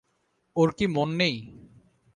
ওর কি মন নেই।